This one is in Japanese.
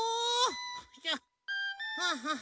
はあはあ。